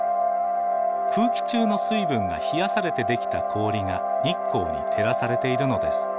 空気中の水分が冷やされてできた氷が日光に照らされているのです。